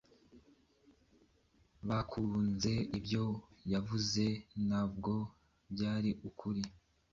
bakunze Ibyo yavuze ntabwo byari ukuri